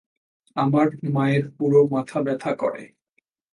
আমার মায়ের পুরো মাথা ব্যথা করে।